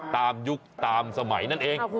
ยุคตามสมัยนั่นเอง